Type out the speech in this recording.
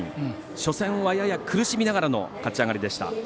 初戦はやや苦しみながらの立ち上がりでした。